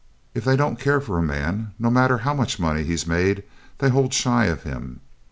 If they don't care for a man no matter how much money he's made they hold shy of him.